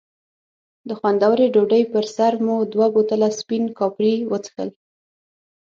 د خوندورې ډوډۍ پر سر مو دوه بوتله سپین کاپري وڅښل.